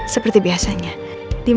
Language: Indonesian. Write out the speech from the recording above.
seperti biasanya di malam ini dia pasti datang